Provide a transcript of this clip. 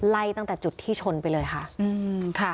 ไล่ตั้งแต่จุดที่ชนไปเลยค่ะ